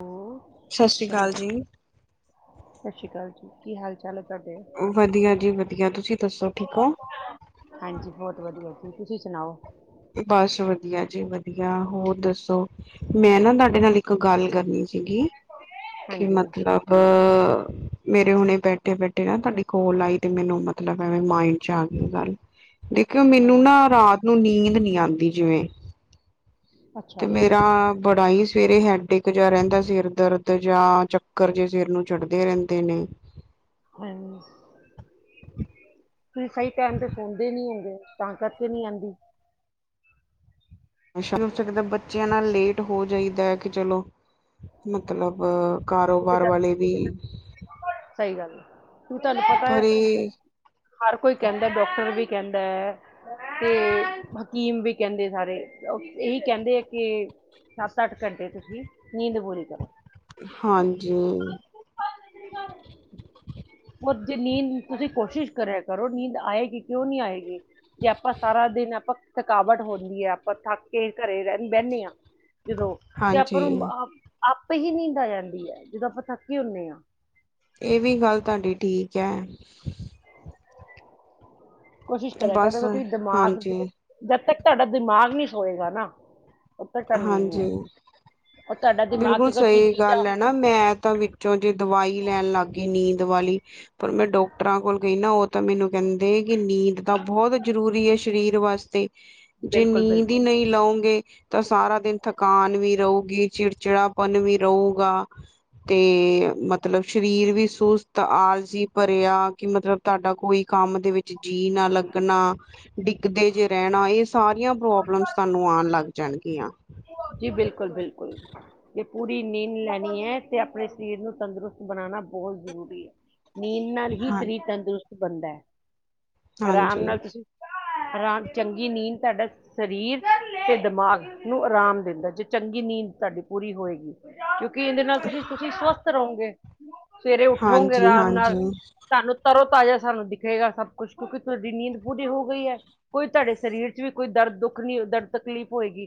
Hello, ਸਤਿ ਸ਼੍ਰੀ ਅਕਾਲ ਜੀ, ਸਤਿ ਸ਼੍ਰੀ ਅਕਾਲ ਜੀ ਕੀ ਹਾਲ ਚਾਲ ਹੈ ਤੁਹਾਡੇ? ਵਧੀਆ ਜੀ, ਵਧੀਆ ਤੁਸੀਂ ਦੱਸੋ ਠੀਕ ਹੋ? ਹਾਂਜੀ, ਬਹੁਤ ਵਧੀਆ ਜੀ ਤੁਸੀਂ ਸੁਣਾਓ? ਬਸ ਵਧੀਆ ਜੀ ਵਧੀਆ ਹੋਰ ਦੱਸੋ ਮੈਂ ਨਾ ਤੁਹਾਡੇ ਨਾਲ ਇੱਕ ਗੱਲ ਕਰਨੀ ਸੀਗੀ, ਕਿ ਹਾਂਜੀ, ਮਤਲਬ ਮੇਰੇ ਹੁਣੇ ਬੈਠੇ ਬੈਠੇ ਨਾ ਤੁਹਾਡੀ ਕੋਲ ਆਈ ਤੇ ਮੈਨੂੰ ਮਤਲਬ ਹੈ ਮਾਇਡ ਚ ਆ ਗਈ ਗੱਲ ਦੇਖਿਓ ਹਾਂ, ਮੈਨੂੰ ਨਾ ਰਾਤ ਨੂੰ ਨੀਂਦ ਨੀ ਆਉਂਦੀ ਜਿਵੇਂ ਅੱਛਾ। ਤੇ ਮੇਰਾ ਬੜਾ ਹੀ ਸਵੇਰੇ ਹੈਡਕ ਜਿਹਾ ਰਹਿੰਦਾ ਸਿਰ ਦਰਦ ਜਾਂ ਚੱਕਰ ਜਿ ਸਿਰ ਨੂੰ ਚੜਦੇ ਰਹਿੰਦੇ ਨੇ ਹ ਤੁਸੀਂ ਸਹੀ ਟਾਈਮ ਤੇ ਸੁਣਦੇ ਨੀ ਹੈਗੇ, ਤਾਂ ਕਰਕੇ ਨੀ ਆਉਂਦੀ ਹੋ ਸਕਦਾ ਬੱਚਿਆਂ ਨਾਲ ਲੇਟ ਹੋ ਜਾਈਦਾ ਹੈ ਕਿ ਚਲੋ ਮਤਲਬ ਕਿਉਂਕਿ ਕਾਰੋਬਾਰ ਤੁਹਾਨੂੰ ਵਾਲੇ ਵੀ ਸਹੀ ਗੱਲ ਹੈ, ਤੁਹਾਨੂੰ ਪਤਾ ਪਰ ਹੈ ਇਹ ਹਰ ਕੋਈ ਕਹਿੰਦਾ, ਡਾਕਟਰ ਵੀ ਕਹਿੰਦਾ ਹੈ ਤੇ ਹਕੀਮ ਵੀ ਕਹਿੰਦੇ ਸਾਰੇ ਇਹੀ ਕਹਿੰਦੇ ਆ ਕੇ ਸੱਤ- ਅੱਠ ਘੰਟੇ ਤੁਸੀਂ ਨੀਂਦ ਪੂਰੀ ਕਰੋ ਹਾਂਜੀ ਕਰ ਜੇ ਨੀਂਦ ਤੁਸੀਂ ਕੋਸ਼ਿਸ਼ ਕਰਿਆ ਕਰੋ ਨੀਂਦ ਆਏਗੀ ਕਿਉਂ ਨਹੀਂ ਆਏਗੀ ਜੇ ਆਪਾਂ ਸਾਰਾ ਦਿਨ ਆਪਾਂ ਥਕਾਵਟ ਹੁੰਦੀ ਹੈ ਆਪਾਂ ਥੱਕ ਕੇ ਘਰੇ ਰਹ ਬਹਿੰਦੇ ਹਾਂ ਜਦੋਂ ਤੇ ਆਪਾਂ ਨੂੰ ਹਾਂਜੀ ਆਪ ਆਪੇ ਹੀ ਨੀਂਦ ਆ ਜਾਂਦੀ ਹੈ ਜਦੋਂ ਆਪਾਂ ਥੱਕੇ ਹੁੰਦੇ ਹਾਂ ਇਹ ਵੀ ਗੱਲ ਤੁਹਾਡੀ ਠੀਕ ਹੈ ਕੋਸ਼ਿਸ਼ ਕਰਿਆ ਬਸ ਕਰ ਕਿ ਦਿਮਾਗ ਹਾਂਜੀ ਜਦ ਤੱਕ ਤੁਹਾਡਾ ਦਿਮਾਗ ਨੀ ਸੋਏਗਾ ਨਾ, ਉਦੋ ਤੱਕ ਨੀਂਦ ਨੀ ਹਾਂਜੀ ਆਏਗੀ ਔਰ ਤੁਹਾਡਾ ਦਿਮਾਗ ਬਿਲਕੁਲ ਤੇ ਸਹੀ ਚੀਜ਼ਾਂ ਗੱਲ ਹੈ ਨਾ ਮੈਂ ਤਾਂ ਵਿੱਚੋਂ ਜੇ ਦਵਾਈ ਲੈਣ ਲੱਗ ਗਈ ਨੀਂਦ ਵਾਲੀ ਪਰ ਮੈਂ ਡਾਕਟਰਾਂ ਕੋਲ ਗਈ ਨਾ ਉਹ ਤਾਂ ਮੈਨੂੰ ਕਹਿੰਦੇ ਕਿ ਨੀਂਦ ਤਾਂ ਬਹੁਤ ਜ਼ਰੂਰੀ ਹੈ ਸਰੀਰ ਵਾਸਤੇ ਜੇ ਬਿਲਕੁਲ ਬਿਲਕੁਲ ਨੀਂਦ ਹੀ ਨਹੀਂ ਲਉਗੇ ਤਾਂ ਸਾਰਾ ਦਿਨ ਥਕਾਨ ਵੀ ਰਹੇਗੀ ਚਿੜਚਿੜਾਪਨ ਵੀ ਰਹੂਗਾ ਤੇ ਮਤਲਬ ਸਰੀਰ ਵੀ ਸੁਸਤ ਆਲਸੀ ਭਰਿਆ ਕਿ ਮਤਲਬ ਤੁਹਾਡਾ ਕੋਈ ਕੰਮ ਦੇ ਵਿੱਚ ਜੀਅ ਨਾ ਲੱਗਣਾ ਡਿੱਗਦੇ ਜੇ ਰਹਿਣਾ ਇਹ ਸਾਰੀਆਂ ਪ੍ਰੋਬਲਮਸ ਤੁਹਾਨੂੰ ਆਉਣ ਲੱਗ ਜਾਣਗੀਆਂ ਜੀ ਬਿਲਕੁਲ-ਬਿਲਕੁਲ ਤੇ ਪੂਰੀ ਨੀਂਦ ਲੈਣੀ ਹੈ ਤੇ ਆਪਣੇ ਸਰੀਰ ਨੂੰ ਤੰਦਰੁਸਤ ਬਣਾਉਣਾ ਬਹੁਤ ਜ਼ਰੂਰੀ ਹੈ ਨੀਂਦ ਨਾਲ ਹੀ ਹਾਂ ਸਰੀਰ ਤੰਦਰੁਸਤ ਬਣਦਾ ਹੈ ਆਰਾਮ ਹਾਂਜੀ ਨਾਲ ਤੁਸੀਂ ਆ ਚੰਗੀ ਨੀਂਦ ਤੁਹਾਡਾ ਸਰੀਰ ਤੇ ਦਿਮਾਗ ਨੂੰ ਆਰਾਮ ਦਿੰਦਾ ਜੇ ਚੰਗੀ ਨੀਂਦ ਤੁਹਾਡੀ ਪੂਰੀ ਹੋਏਗੀ ਕਿਉਂਕਿ ਇਹਦੇ ਨਾਲ ਤੁਸੀਂ ਤੁਸੀਂ ਸਵਸਥ ਰਹੋਗੇ ਸਵੇਰੇ ਉੱਠੋਗੇ ਹਾਂਜੀ ਆਰਾਮ ਨਾਲ ਹਾਂਜੀ ਸਾਨੂੰ ਤਰੋ ਤਾਜ਼ਾ ਸਾਨੂੰ ਦਿਖੇਗਾ ਸਭ ਕੁਛ ਕਿਉਂਕਿ ਤੁਹਾਡੀ ਨੀਂਦ ਪੂਰੀ ਹੋ ਗਈ ਹੈ ਕੋਈ ਤੁਹਾਡੇ ਸਰੀਰ ਚ ਵੀ ਕੋਈ ਦਰਦ ਦੁੱਖ ਨਹੀਂ ਦਰਦ ਤਕਲੀਫ਼ ਹੋਏਗੀ।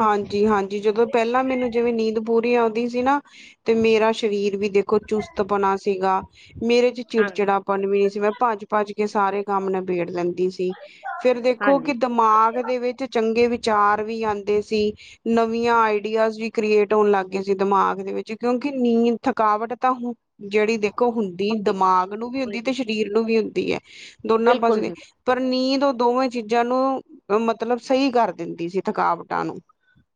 ਹਾਂਜੀ ਹਾਂਜੀ ਜਦੋਂ ਪਹਿਲਾਂ ਮੈਨੂੰ ਜਿਵੇਂ ਨੀਂਦ ਪੂਰੀ ਆਉਂਦੀ ਸੀ ਨਾ ਤੇ ਮੇਰਾ ਸਰੀਰ ਵੀ ਦੇਖੋ ਚੁਸਤ ਬਣਾ ਸੀਗਾ ਮੇਰੇ ਚ ਹਾਂਜੀ ਚਿੜਚਿੜਾਪਨ ਵੀ ਨਹੀਂੀ ਸੀ ਮੈਂ ਭੱਜ ਭੱਜ ਕੇ ਸਾਰੇ ਕੰਮ ਨਬੇੜ ਲੈਂਦੀ ਸੀ ਫਿਰ ਦੇਖੋ ਕਿ ਹਾਂਜੀ ਦਿਮਾਗ ਦੇ ਵਿੱਚ ਚੰਗੇ ਵਿਚਾਰ ਵੀ ਆਉਂਦੇ ਸੀ ਨਵੀਆਂ ਆਈਡੀਆਜ਼ ਵੀ ਕ੍ਰੀਏਟ ਹੋਣ ਲੱਗ ਗਏ ਸੀ ਦਿਮਾਗ ਦੇ ਵਿੱਚ ਕਿਉਂਕਿ ਨੀਂਦ ਥਕਾਵਟ ਤਾਂ ਹੁਣ ਜਿਹੜੀ ਦੇਖੋ ਹੁੰਦੀ ਦਿਮਾਗ ਨੂੰ ਵੀ ਏ ਹੁੰਦੀ ਤੇ ਸਰੀਰ ਨੂੰ ਵੀ ਹੁੰਦੀ ਹੈ ਦੋਨਾਂ ਪਾਸੇ ਬਿਲਕੁਲ ਦੇ ਜੀ ਪਰ ਨੀਂਦ ਉਹ ਦੋਵੇਂ ਚੀਜ਼ਾਂ ਨੂੰ ਮਤਲਬ ਸਹੀ ਕਰ ਦਿੰਦੀ ਸੀ ਥਕਾਵਟਾਂ ਨੂੰ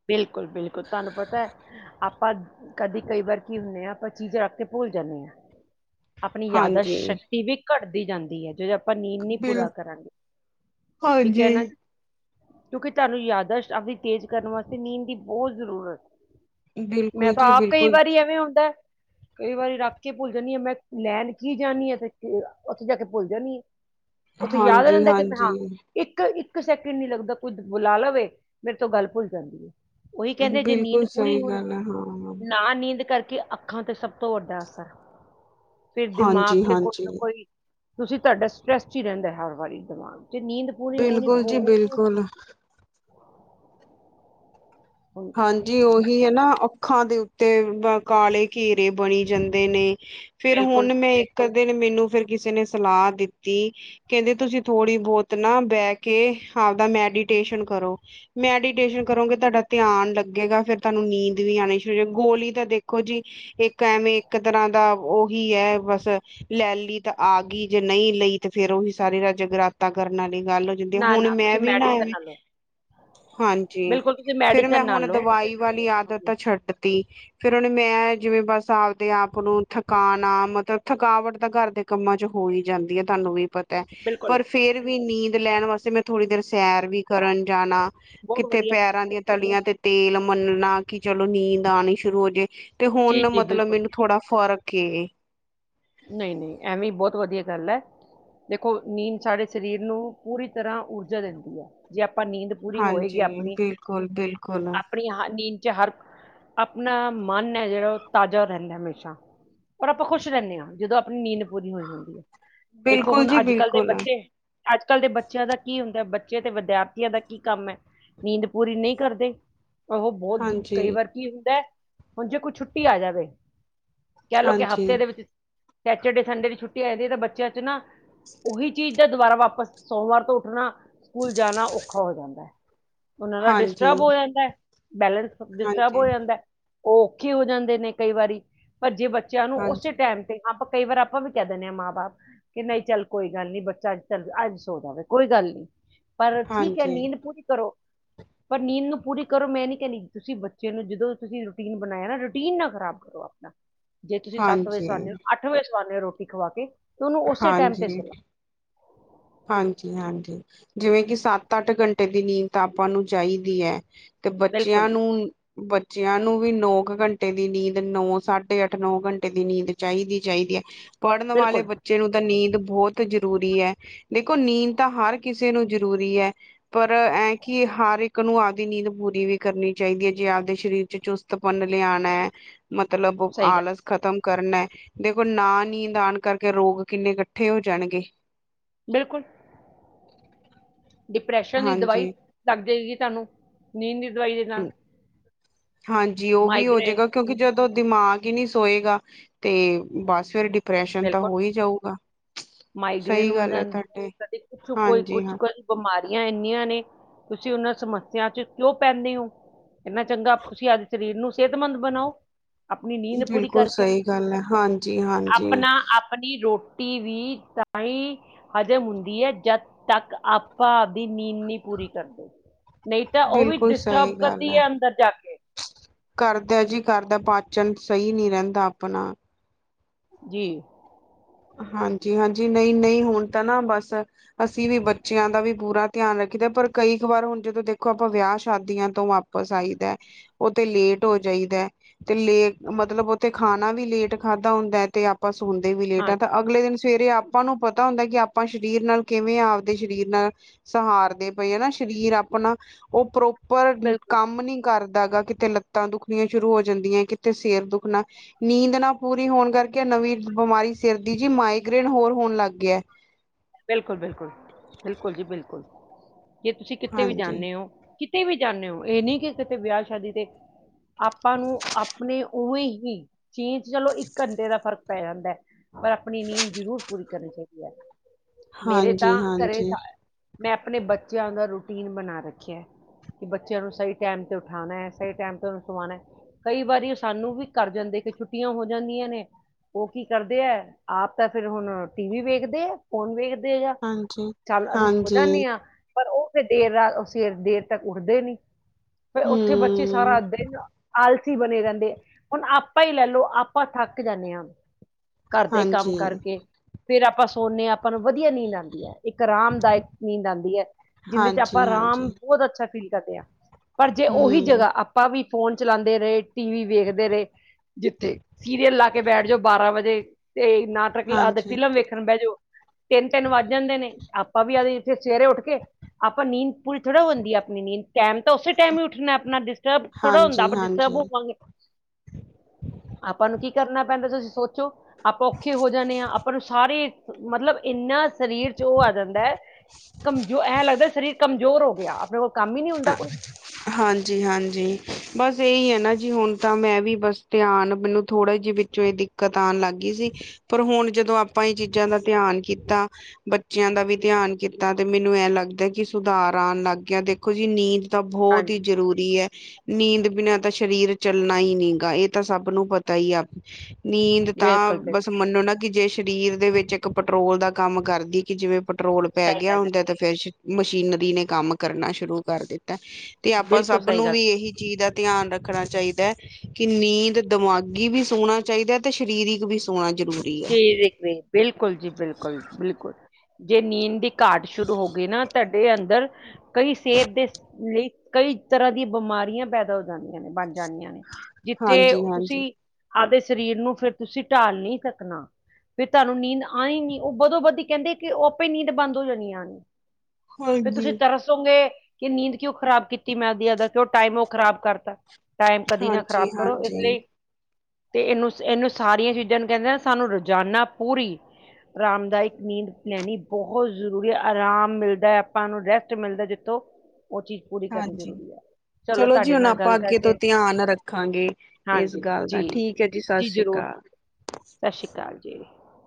ਬਿਲਕੁਲ-ਬਿਲਕੁਲ ਤੁਹਾਨੂੰ ਪਤਾ ਹੈ ਆਪਾਂ ਕਦੇ ਕਈ ਵਾਰ ਕੀ ਹੁੰਦੇ ਆਾਂ ਆਪਾਂ ਚੀਜ਼ ਰੱਖ ਕੇ ਭੁੱਲ ਜਾਂਦੇ ਹਾਂ ਆਪਣੀ ਯਾਦਾ ਹਾਂਜੀ। ਸ਼ਕਤੀ ਵੀ ਘਟਦੀ ਜਾਂਦੀ ਹੈ ਜੇ ਆਪਾਂ ਨੀਂਦ ਵੀ ਬਿਲ ਪੂਰਾ ਕਰਾਂਗੇ ਠੀਕ ਹੈ ਨਾ ਹਾਂਜੀ। ਕਿਉਂਕਿ ਤੁਹਾਨੂੰ ਯਾਦ ਆਸ਼ ਆਪਦੀ ਤੇਜ਼ ਕਰਨ ਵਾਸਤੇ ਨੀਂਦ ਦੀ ਬਹੁਤ ਜ਼ਰੂਰਤ ਮੈਂ ਬਿਲਕੁਲ ਤਾਂ ਜੀ ਆਪ ਕਈ ਬਿਲਕੁਲ ਵਾਰੀ ਐਵੇਂ ਹੁੰਦਾ ਕਈ ਵਾਰੀ ਰੱਖ ਕੇ ਭੁੱਲ ਜਾਂਣੀ ਆ ਮੈਂ ਲੈਣ ਕੀ ਜਾਣੀ ਆ ਤੇ ਉੱਥੇ ਜਾ ਕੇ ਭੁੱਲ ਜਾਂਣੀ ਆ। ਉੱਥੇ ਯਾਦ ਆ ਹਾਂਜੀ ਰਹਿੰਦਾ ਕਿ ਮੈਂ ਹਾਂ ਹਾਂਜੀ ਇੱਕ ਇੱਕ ਸੈਕਿੰਡ ਨਹੀਂ ਲੱਗਦਾ ਕੁਝ ਬੁਲਾ ਲਵੇ ਮੇਰੇ ਤੋਂ ਗੱਲ ਭੁੱਲ ਜਾਂਦੀ ਹੈ। ਉਹੀ ਕਹਿੰਦੇ ਜੇ ਬਿਲਕੁਲ ਨੀਂਦ ਪੂਰੀ ਸਹੀ ਹੋ ਗੱਲ ਹੈ ਹਾਂ। ਨਾ ਨੀਂਦ ਕਰਕੇ, ਅੱਖਾਂ ਤੇ ਸਭ ਤੋਂ ਵੱਡਾ ਅਸਰ ਫਿਰ ਦਿਮਾਗ ਹਾਂਜੀ ਤੇ ਕੋਈ ਹਾਂਜੀ ਨਾ ਕੋਈ ਤੁਸੀਂ ਤੁਹਾਡਾ ਸਟਰ੍ਰੈਸ ਹੀ ਰਹਿੰਦਾ, ਹਰ ਵਾਰੀ ਦਿਮਾਗ ਤੇ ਨੀਂਦ ਪੂਰੀ ਹੋਣੀ ਬਿਲਕੁਲ ਜੀ ਬਹੁਤੂ ਬਿਲਕੁਲ ਹੁੰਦੀ ਹੈ। ਹਾਂਜੀ ਉਹੀ ਹੈ ਨਾ ਅੱਖਾਂ ਦੇ ਤੇ ਕਾਲੇ ਘੇਰੇ ਬਣੀ ਜਾਂਦੇ ਨੇ ਫੇਿਰ ਬਿਲਕੁਲ ਹੁਣ ਮੈਂ ਕਦੇ ਮੈਨੂੰ ਫੇਿਰ ਕਿਸੇ ਨੇ ਸਲਾਹ ਦਿੱਤੀ ਕਹਿੰਦੇ ਤੁਸੀਂ ਥੋੜ੍ਹੀ ਬਹੁਤ ਨਾ ਬਹਿ ਕੇ ਆਪਦਾ ਮੈਡੀਟੇਸ਼ਨ ਕਰੋ। ਮੈਡੀਟੇਸ਼ਨ ਕਰੋਗੇ ਤੁਹਾਡਾ ਧਿਆਨ ਲੱਗੇਗਾ ਫੇਿਰ ਤੁਹਾਨੂੰ ਨੀਂਦ ਵੀ ਆਉਣੀ ਸ਼ੁਰੂ ਗੋਲੀ ਤਾਂ ਦੇਖੋ ਜੀ ਇੱਕ ਐਵੇਂ ਇੱਕ ਤਰ੍ਹਾਂ ਦਾ ਉਹੀ ਹੈ ਬਸ ਲੈ ਲਈ ਤਾਂ ਆ ਗਈ ਜੇ ਨਹੀਂ ਲਈ ਤੇ ਫੇਰ ਉਹੀ ਸਾਰੀ ਦਾ ਜਗਰਾਤਾ ਕਰਨ ਵਾਲੀ ਗੱਲ ਨਾ ਹੁਣ ਨਾ ਮੈਂ ਤੁਸੀਂ ਵੀ ਨਾ ਮੈਡੀਸਨ ਐਵੇਂ ਲਓ ਹਾਂਜੀ ਬਿਲਕੁਲ ਤੁਸੀਂ ਫਿਰ ਮੈਂ ਮੈਡੀਸਨ ਨਾ ਹੁਣ ਲਓ ਦਵਾਈ ਵਾਲੀ ਆਦਤ ਹਾਂਜੀ, ਤਾਂ ਛੱਡ ਤ ਫਿਰ ਉਹਨੇ ਮੈਂ ਜਿਵੇਂ ਬਸ ਆਪਦੇ ਆਪ ਨੂੰ ਥਕਾਣਾ ਮਤਲਬ ਥਕਾਵਟ ਤਾਂ ਕਰਦੇ ਕੰਮਾਂ ਚ ਹੋ ਹੀ ਜਾਂਦੀ ਹੈ ਤੁਹਾਨੂੰ ਵੀ ਪਤਾ ਬਿਲਕੁਲ ਪਰ ਫੇਰ ਵੀ ਨੀਂਦ ਲੈਣ ਵਾਸਤੇ ਮੈਂ ਥੋੜ੍ਹੀ ਦੇਰ ਸੈਰ ਵੀ ਕਰਨ ਜਾਣਾ ਬਹੁਤ ਕਿਥੇ ਵਧੀਆ ਪੈਰਾਂ ਦੀਆਂ ਤਲੀਆਂ ਤੇ ਤੇਲ ਮੰਨਣਾ ਕਿ ਚਲੋ ਨੀਂਦ ਆਉਣੀ ਸ਼ੁਰੂ ਹੋ ਜਾਏ ਤੇ ਜੀ ਹੁਣ ਜੀ ਮਤਲਬ ਬਿਲਕੁਲ ਮੈਨੂੰ ਥੋੜਾ ਫ਼ਰਕ ਏ ਨਹੀਂ ਨਹੀਂ ਐਵੇਂ ਬਹੁਤ ਵਧੀਆ ਗੱਲ ਹੈ। ਦੇਖੋ ਨੀਂਦ ਸਾਡੇ ਸਰੀਰ ਨੂੰ ਪੂਰੀ ਤਰ੍ਹਾਂ ਊਰਜਾ ਦਿੰਦੀ ਹੈ ਜੇ ਆਪਾਂ ਨੀਂਦ ਪੂਰੀ ਹੋਏਗੀ ਹਾਂਜੀ ਆਪਣੀ ਬਿਲਕੁਲ ਬਿਲਕੁਲ ਆਪਣੀ ਨੀਂਦ ਚ ਹਰ ਆਪਣਾ ਮਨ ਹੈ ਜਿਹੜਾ ਉਹ ਤਾਜ਼ਾ ਰਹਿੰਦਾ ਹਮੇਸ਼ਾ ਔਰ ਆਪਾਂ ਖੁਸ਼ ਰਹਿੰਦੇ ਹਾਂ ਜਦੋਂ ਆਪਣੀ ਨੀਂਦ ਪੂਰੀ ਹੋ ਜਾਂਦੀ ਹੈ ਦੇਖੋ ਬਿਲਕੁਲ ਹੁਣ ਜੀ ਅੱਜ ਕੱਲ੍ਹ ਦੇ ਬਿਲਕੁਲ ਬੱਚੇ ਅੱਜ ਕੱਲ੍ਹ ਦੇ ਬੱਚਿਆਂ ਦਾ ਕੀ ਹੁੰਦਾ ਬੱਚੇ ਤੇ ਵਿਦਿਆਰਥੀਆਂ ਦਾ ਕੀ ਕੰਮ ਹੈ। ਨੀਂਦ ਪੂਰੀ ਨਹੀਂ ਕਰਦੇ ਉਹ ਬਹੁਤ ਹਾਂਜੀ ਕਈ ਵਾਰ ਕੀ ਹੁੰਦਾ ਹੁਣ ਜੇ ਕੋਈ ਛੁੱਟੀ ਆ ਜਾਵੇ। ਕਹਿਲਓ ਕਿ ਹਾਂਜੀ ਹਫ਼ਤੇ ਦੇ ਵਿੱਚ ਸੈਚਡੇ ਸੰਡੇ ਦੀ ਛੁੱਟੀ ਆ ਜਾਂਦੀ ਤਾਂ ਬੱਚਿਆਂ ਚ ਨਾ ਉਹੀ ਚੀਜ਼ ਦਾ ਦੁਬਾਰਾ ਵਾਪਸ ਸੋਮਵਾਰ ਤੋਂ ਉੱਠਣਾ ਸਕੂਲ ਜਾਣਾ ਔਖਾ ਹੋ ਜਾਂਦਾ ਹੈ। ਉਹਨਾਂ ਦਾ ਹਾਂਜੀ ਡਿਸਟਰਬ ਹੋ ਜਾਂਦਾ, ਬੈਲੈਂਸ ਡਿਸਟਰਬ ਹਾਂਜੀ ਹੋ ਜਾਂਦਾ ਉਹ ਔਖੇ ਹੋ ਜਾਂਦੇ ਨੇ ਕਈ ਵਾਰੀ, ਪਰ ਜੇ ਬੱਚਿਆਂ ਨੂੰ ਉਸੇ ਹਾਂਜੀ ਟਾਈਮ ਆਪਾਂ ਕਈ ਵਾਰ ਆਪਾਂ ਵੀ ਕਹਿ ਦਿੰਦੇ ਹਾਂ ਮਾਂ ਬਾਪ ਕਿ ਨਹੀਂ ਚੱਲ ਕੋਈ ਗੱਲ ਨੀ ਬੱਚਾ ਅੱਜ, ਅੱਜ ਸੋ ਜਾਵੇ ਕੋਈ ਗੱਲ ਨੀ। ਪਰ ਠੀਕ ਹੈ ਹਾਂਜੀ ਨੀਂਦ ਪੂਰੀ ਕਰੋ। ਪਰ ਨੀਂਦ ਨੂੰ ਪੂਰੀ ਕਰੋ ਮੈਂ ਨੀ ਕਹਿੰਣੀ ਤੁਸੀਂ ਬੱਚੇ ਨੂੰ ਜਦੋਂ ਤੁਸੀਂ ਰੂਟੀਨ ਬਣਾਇਆ ਨਾ ਰੂਟੀਨ ਨਾਲ ਖਰਾਬ ਕਰੋ ਆਪ। ਜੇ ਤੁਸੀਂ ਸੱਤ ਵਜੇ ਸਉਂਦੇ ਹਾਂਜੀ, ਹੋ ਅੱਠ ਵਜੇ ਸੁਵਾਉਂਦੇ ਹੋ ਰੋਟੀ ਖਵਾ ਕੇ ਤੇ ਉਹਨੂੰ ਉਸੇ ਟਾਈਮ ਤੇ ਹਾਂਜੀ। ਸਵਾਓ ਹਾਂਜੀ-ਹਾਂਜੀ, ਜਿਵੇਂ ਕਿ ਸੱਤ ਅੱਠ ਘੰਟੇ ਦੀ ਨੀਂਦ ਆਪਾਂ ਨੂੰ ਚਾਹੀਦੀ ਹੈ। ਤੇ ਬਿਲਕੁਲ ਬੱਚਿਆਂ ਜੀ ਨੂੰ ਬੱਚਿਆਂ ਨੂੰ ਵੀ ਨੌ ਕੁ ਘੰਟੇ ਦੀ ਨੀਂਦ ਨੌ ਸਾਢੇ ਅੱਠ ਨੌ ਘੰਟੇ ਦੀ ਨੀਂਦ ਚਾਹੀਦੀ-ਚਾਹੀਦੀ ਹੈ, ਪੜ੍ਹਨ ਵਾਲੇ ਬਿਲਕੁਲ ਬੱਚੇ ਨੂੰ ਤਾਂ ਨੀਂਦ ਬਹੁਤ ਜ਼ਰੂਰੀ ਹੈ। ਦੇਖੋ ਨੀਂਦ ਤਾਂ ਹਰ ਕਿਸੇ ਨੂੰ ਜ਼ਰੂਰੀ ਹੈ। ਪਰ ਐਂ ਕਿ ਹਰ ਇੱਕ ਨੂੰ ਆਪਦੀ ਨੀਂਦ ਪੂਰੀ ਵੀ ਕਰਨੀ ਚਾਹੀਦੀ ਹੈ ਜੇ ਆਪਦੇ ਸਰੀਰ ਚ ਚੁਸਤਪਨ ਲਿਆਣਾ ਹੈ। ਮਤਲਬ ਸਹੀ ਗੱਲ ਆਲਸ ਖ਼ਤਮ ਕਰਨਾ ਹੈ ਦੇਖੋ ਨਾ ਨੀਂਦ ਆਉਣ ਕਰਕੇ ਰੋਗ ਕਿੰਨੇ ਇਕੱਠੇ ਹੋ ਜਾਣਗੇ ਬਿਲਕੁਲ। ਡਿਪਰੈਸ਼ਨ ਦੀ ਦਵਾਈ ਹਾਂਜੀ ਲੱਗ ਜਾਵੇਗੀ, ਤੁਹਾਨੂੰ ਨੀਂਦ ਦੀ ਦਵਾਈ ਦੇ ਨਾਲ ਹਾਂਜੀ ਉਹ ਵੀ ਹੋ ਮਾਈਗ੍ਰੇਨ ਜਾਏਗਾ ਕਿਉਂਕਿ ਜਦੋਂ ਦਿਮਾਗ ਹੀ ਨਹੀ ਸੋਏਗਾ, ਤੇ ਬਸ ਫੇਿਰ ਡਿਪਰੈਸ਼ਨ ਤਾਂ ਬਿਲਕੁਲ ਹੋ ਹੀ ਜਾਊਗਾ। ਮਾਈਗ੍ਰੇਨ ਸਹੀ ਹੋ ਗੱਲ ਜਾਂਦੀ ਤੁਹਾਡੇ ਹੈ ਕਦੇ ਕੁਛ, ਕੋਈ ਹਾਂਜੀ ਕੁਛ ਹਾਂ ਕਦੇ ਬਿਮਾਰੀਆਂ ਇੰਨੀਆਂ ਨੇ ਤੁਸੀਂ ਉਹਨਾਂ ਸਮੱਸਿਆ ਚ ਕਿਉਂ ਪਹਿਨਦੇ ਹੋ। ਇੰਨਾ ਚੰਗਾ ਤੁਸੀਂ ਅੱਜ ਸਰੀਰ ਨੂੰ ਸਿਹਤਮੰਦ ਬਣਾਓ। ਆਪਣੀ ਨੀਂਦ ਪੂਰੀ ਬਿਲਕੁਲ ਕਰਕੇ ਸਹੀ ਗੱਲ ਹੈ ਹਾਂਜੀ। ਹਾਂਜੀ ਆਪਣਾ ਆਪਣੀ ਰੋਟੀ ਵੀ ਤਾਂਹੀ ਹਜਮ ਹੁੰਦੀ ਹੈ ਜਦ ਤੱਕ ਆਪਾਂ ਆਪਦੀ ਨੀਂਦ ਨਹੀਂ ਪੂਰੀ ਕਰਦੇ। ਨਹੀਂ ਤਾਂ ਉਹ ਵੀ ਬਿਲਕੁਲ ਡਿਸਟਰਬ ਸਹੀ ਗੱਲ ਕਰਦੀ ਹੈ ਅੰਦਰ ਜਾ ਕੇ। ਕਰਦਾ ਜੀ ਕਰਦਾ ਪਾਚਨ ਸਹੀ ਨਹੀ ਰਹਿੰਦਾ ਆਪਣਾ। ਜੀ। ਹਾਂਜੀ-ਹਾਂਜੀ, ਨਹੀਂ-ਨਹੀਂ ਹੁਣ ਤਾਂ ਨਾ ਬਸ ਅਸੀਂ ਵੀ ਬੱਚਿਆਂ ਦਾ ਵੀ ਪੂਰਾ ਧਿਆਨ ਰੱਖੀਦਾ ਪਰ ਕਈ ਕ ਵਾਰ ਹੁਣ ਜਦੋਂ ਦੇਖੋ ਆਪਾਂ ਵਿਆਹ ਸ਼ਾਦੀਆਂ ਤੋਂ ਵਾਪਸ ਆਈਦਾ ਉਹ ਤੇ ਲੇਟ ਹੋ ਜਾਈਦਾ। ਤੇ ਲੇ ਮਤਲਬ ਉੱਥੇ ਖਾਣਾ ਵੀ ਲੇਟ ਖਾਧਾ ਹੁੰਦਾ ਤੇ ਆਪਾਂ ਸੁਣਦੇ ਵੀ ਲੇਟ ਹਾਂ ਤਾਂ ਅਗਲੇ ਦਿਨ ਸਵੇਰੇ ਆਪਾਂ ਨੂੰ ਪਤਾ ਹੁੰਦਾ ਕਿ ਆਪਾਂ ਸਰੀਰ ਨਾਲ ਕਿਵੇਂ ਆਪਦੇ ਸਰੀਰ ਨਾਲ ਸਹਾਰਦੇ ਪਏ ਹੈ ਨਾ ਸਰੀਰ ਆਪਣਾ ਉਹ ਪ੍ਰੋਪਰ ਬਿਲਕੁਲ, ਕੰਮ ਨੀ ਕਰਦਾ ਗਾ ਕਿਤੇ ਲੱਤਾਂ ਦੁਖਣੀਆਂ ਸ਼ੁਰੂ ਹੋ ਜਾਂਦੀਆਂ ਕਿਤੇ ਸਰ ਦੁੱਖਣਾ। ਨੀਂਦ ਨਾ ਪੂਰੀ ਹੋਣ ਕਰਕੇ ਨਵੀਂ ਬਿਮਾਰੀ ਸਿਰਦੀ ਜੀ ਮਾਈਗ੍ਰੇਨ ਹੋਰ ਹੋਣ ਲੱਗ ਗਿਆ। ਬਿਲਕੁਲ ਬਿਲਕੁਲ ਬਿਲਕੁਲ ਜੀ ਬਿਲਕੁਲ ਜੇ ਤੁਸੀਂ ਕਿੱਥਤੇ ਵੀ ਹਾਂਜੀ, ਜਾਂਦੇ ਹੋ ਕਿ ਤੇ ਵੀ ਜਾਂਦੇ ਹੋ ਇਹ ਨਹੀਂ ਕਿ ਕਿਤੇ ਵਿਆਹ ਸ਼ਾਦੀ ਤੇ ਆਪਾਂ ਨੂੰ ਆਪਣੇ ਉਵੇਂ ਹੀ ਚੀਨ ਚ ਚਲੋ ਇੱਕ ਘੰਟੇ ਦਾ ਫ਼ਰਕ ਪੈ ਜਾਂਦਾ ਹੈ ਪਰ ਆਪਣੀ ਨੀਂਦ ਜ਼ਰੂਰ ਪੂਰੀ ਕਰਨੀ ਚਾਹੀਦੀ ਹੈ। ਮੇਰੇ ਤਾਂ ਹਾਂਜੀ, ਘਰੇ ਹਾਂਜੀ, ਮੈਂ ਆਪਣੇ ਬੱਚਿਆਂ ਦਾ ਰੂਟੀਨ ਬਣਾ ਰੱਖਿਆ। ਕਿ ਬੱਚਿਆਂ ਨੂੰ ਸਹੀ ਟਾਈਮ ਤੇ ਉਠਾਉਣਾ ਹੈ, ਸਹੀ ਟਾਈਮ ਤੇ ਉਹਨੂੰ ਸਵਾਉਣਾ ਕਈ ਵਾਰੀ ਸਾਨੂੰ ਵੀ ਕਰ ਜਾਂਦੇ ਕਿ ਛੁੱਟੀਆਂ ਹੋ ਜਾਂਦੀਆਂ ਨੇ। ਉਹ ਕੀ ਕਰਦੇ ਹੈ ਆਪ ਤਾਂ ਫਿਰ ਹੁਣ ਟੀ ਵੀ ਵੇਖਦੇ ਆ। ਫੌਨ ਵੇਖਦੇ ਆ ਆ ਹਾਂਜੀ, ਚੱਲ ਅਸੀਂ ਸੋ ਹਾਂਜੀ। ਜਾਦੇ ਹਾਂ। ਪਰ ਉਹ ਫਿਰ ਦੇਰ ਰਾਤ ਅਂ ਦੇਰ ਤੱਕ ਉੱਠਦੇ ਨੇ। ਫ ਉੱਥੇ ਬੱਚੇ ਹੂੰ, ਸਾਰਾ ਦਿਨ ਆਲ ਆਲਸੀ ਬਣੇ ਰਹਿੰਦੇ ਹੁਣ ਆਪਾਂ ਹੀ ਲੈ ਲਓ ਆਪਾਂ ਥੱਕ ਜਾਂਦੇ ਹਾਂ। ਘਰਦੇ ਕੰਮ ਹਾਂਜੀ, ਕਰਕੇ, ਫੇਰ ਆਪਾਂ ਸੋਨੇ ਹਾਂ। ਆਪਾਂ ਨੂੰ ਵਧੀਆ ਨੀਂਦ ਆਉਂਦੀ ਹੈ ਇੱਕ ਰਾਮਦਾਇਕ ਨੀਂਦ ਆਉਂਦੀ ਹੈ ਜਿਹਦੇ ਚ ਹਾਂਜੀ, ਆਪਾਂ ਹਾਂਜੀ, ਰਾਮ ਬਹੁਤ ਅੱਛਾ ਫੀਲ ਕਰਦੇ ਹਾਂ ਪਰ ਜੇ ਹੂੰ, ਉਹੀ ਜਗ੍ਹਾ ਆਪਾਂ ਵੀ ਫੋਨ ਚਲਾਉਂਦੇ ਰਹੇ ਟੀ ਵੀ ਵੇਖਦੇ ਰਹੇ ਜਿੱਥੇ ਸੀਰੀਅਲ ਲਾ ਕੇ ਬੈਠ ਜਾਓ ਬਾਰਾਂ ਵਜੇ, ਤੇ ਨਾਟਕ ਆ ਹਾਂਜੀ। ਫਿਲਮ ਵੇਖਣ ਬਹਿ ਜਾਓ ਤਿੰਨ ਤਿੰਨ ਵੱਜ ਜਾਂਦੇ ਨੇ, ਆਪਾਂ ਵੀ ਆਜ ਇੱਥੇ ਸਵੇਰੇ ਉੱਠ ਕੇ ਆਪਾਂ ਨੀਂਦ ਪੂਰੀ ਥੋੜ੍ਹਾ ਹੁੰਦੀ ਆ, ਆਪਣੀ ਨੀਂਦ ਟਾਈਮ ਤਾਂ ਉਸੇ ਟਾਈਮ ਹੀ ਉੱਠਣਾ ਆਪਣਾ ਡਿਸਟਰਬ ਥੋੜਾੁੰਦਾ ਹਾਂਜੀ, ਪਰ ਹਾਂਜੀ, ਡਿਸਟਰਬ ਹਾਂਜੀ ਹੋਵਾਂਗੇ ਆਪਾਂ ਨੂੰ ਕੀ ਕਰਨਾ ਪੈਂਦਾ ਤੁਸੀਂ ਸੋਚੋ ਆਪਾਂ ਔਖੇ ਹੋ ਜਾਂਦੇ ਹਾਂ ਆਪਾਂ ਨੂੰ ਸਾਰੇ ਮਤਲਬ ਇੰਨਾ ਸਰੀਰ ਚ ਉਹ ਆ ਜਾਂਦਾ ਹੈ ਕਮੋ ਐ ਲੱਗਦਾ ਸਰੀਰ ਕਮਜ਼ੋਰ ਹੋ ਗਿਆ, ਆਪਣੇ ਕੋਲ ਕੰਮ ਹੀ ਨਹੀਂ ਹੁੰਦਾ ਕੋਈ [unintelligible] ਹਾਂਜੀ ਹਾਂਜੀ, ਬਸ ਇਹੀ ਹੈ ਨਾ ਜੀ ਹੁਣ ਤਾਂ ਮੈਂ ਵੀ ਬਸ ਧਿਆਨ ਮੈਨੂੰ ਥੋੜਾ ਜਿਹਾ ਚੋਂ ਇਹ ਦਿੱਕਤ ਆਉਣ ਲੱਗ ਗਈ ਸੀ, ਪਰ ਹੁਣ ਜਦੋਂ ਆਪਾਂ ਇਹ ਚੀਜ਼ਾਂ ਦਾ ਧਿਆਨ ਕੀਤਾ ਬੱਚਿਆਂ ਦਾ ਵੀ ਧਿਆਨ ਕੀਤਾ ਤੇ ਮੈਨੂੰ ਇ ਲੱਗਦਾ ਕਿ ਸੁਧਾਰ ਆਉਣ ਲੱਗ ਗਿਆ ਦੇ ਦੇਖੋ ਜੀ ਨੀਂਦ ਤਾਂ ਬਹੁਤ ਹੀ ਹਾਂਜੀ ਜ਼ਰੂਰੀ ਹੈ ਨੀਂਦ ਬਿਨਾਂ ਤਾਂ ਸਰੀਰ ਚੱਲਣਾ ਹੀ ਨੀ ਗਾ ਇਹ ਤਾਂ ਸਭ ਨੂੰ ਪਤਾ ਹੀ ਆ। ਨੀਂਦ ਤਾਂ ਬਿਲਕੁਲ ਬਸ ਬਿਲਕੁਲ ਮੰਨੋ ਨਾ ਕਿ ਜੇ ਸਰੀਰ ਦੇ ਵਿੱਚ ਇੱਕ ਪੈਟਰੋਲ ਦਾ ਕੰਮ ਕਰਦੀ ਕਿ ਜਿਵੇਂ ਪੈਟਰੋਲ ਪੈ ਸਹੀ ਗਿਆ ਗੱਲ ਹੈ ਹੁੰਦਾ ਤੇ ਫੇਰ ਮਸ਼ੀਨਰੀ ਨੇ ਕੰਮ ਕਰਨਾ ਸ਼ੁਰੂ ਕਰ ਦਿੱਤਾ ਤੇ ਆਪਾਂ ਬਿਲਕੁਲ ਸਭ ਸਹੀ ਨੂੰ ਗੱਲ ਵੀ ਇਹੀ ਚੀਜ਼ ਆ ਧਿਆਨ ਰੱਖਣਾ ਚਾਹੀਦਾ ਹੈ ਕਿ ਨੀਂਦ ਦਿਮਾਗੀ ਵੀ ਸੋਹਣਾ ਚਾਹੀਦਾ ਹੈ ਤੇ ਸਰੀਰਿਕ ਵੀ ਹਾਂ ਜ਼ਰੂਰੀ ਹੈ [unintelligible] ਬਿਲਕੁਲ ਜੀ, ਬਿਲਕੁਲ ਬਿਲਕੁਲ ਜੇ ਨੀਂਦ ਘਾਟ ਸ਼ੁਰੂ ਹੋ ਗਏ ਨਾ, ਤੁਹਾਡੇ ਅੰਦਰ ਕਈ ਸਿਹਤ ਦੇ ਲਈ, ਕਈ ਤਰ੍ਹਾਂ ਦੀ ਬਿਮਾਰੀਆਂ ਪੈਦਾ ਹੋ ਜਾਂਦੀਆਂ ਬਣ ਜਾਣੀਆਂ, ਨੇ ਜਿੱਥੇ ਹਾਂਜੀ ਹਾਂਜੀ ਤੁਸੀਂ ਆਪਦੇ ਸਰੀਰ ਨੂੰ ਫਿਰ ਤੁਸੀਂ ਢਾਲ ਨੀ ਸਕ ਆਪਣਾ ਫਿਰ ਤੁਹਾਨੂੰ ਨੀਂਦ ਆਣੀ ਨੀ, ਉਹ ਬਦੋ ਬਧਦੀ ਕਹਿੰਦੇ ਕਿ ਉਹ ਆਪੇ ਨੀਂਦ ਬੰਦ ਹੋ ਜਾਣੀ ਆਣੀ ਫਿਰ ਹਾਂਜੀ ਤੁਸੀਂ ਤਰਸੋਗੇ, ਕਿ ਨੀਂਦ ਕਿਉਂ ਖਰਾਬ ਕੀਤੀ ਮੈਂਦੀਆਦਾ ਕਿਉਂ ਟਾਈਮ ਉਹ ਖਰਾਬ ਕਰਤਾ ਟਾਈਮ ਕਦੀ ਨਾ ਖਰਾਬ ਹਾਂਜੀ ਕਰੋ, ਇਸ ਹਾਂਜੀ ਲਈ ਤੇ ਇਹਨੂੰ ਇਹਨੂੰ ਸਾਰੀਆਂ ਚੀਜ਼ਾਂ ਨੂੰ ਕਹਿੰਦੇ ਸਾਨੂੰ ਰੋਜ਼ਾਨਾ ਪੂਰੀ ਆਰਾਮਦਾਇਕ ਨੀਂਦ ਲੈਣੀ ਬਹੁਤ ਜ਼ਰੂਰੀ, ਆਰਾਮ ਮਿਲਦਾ ਹੈ ਆਪਾਂ ਨੂੰ ਰੈਸਟ ਮਿਲਦਾ ਜਿੱਥੋਂ ਉਹ ਚੀਜ਼ ਪੂਰੀ ਕਰਨੀ ਹਾਂਜੀ ਜ਼ਰੂਰੀ ਆ ਚਲੋ ਜੀ ਤੁਹਾਡੇ ਹੁਣ ਨਾਲ ਆਪਾਂ ਗੱਲ ਅੱਗੇ ਕਰਕੇ ਤੋਂ ਧਿਆਨ ਰੱਖਾਂਗੇ ਇਸ ਹਾਂਜੀ, ਗੱਲ ਜੀ ਦਾ ਠੀਕ ਹੈ ਸਤਿ ਜੀ ਸ੍ਰੀ ਜ਼ਰੂਰ, ਅਕਾਲ ਸਤਿ ਸ਼੍ਰੀ ਅਕਾਲ ਜੀ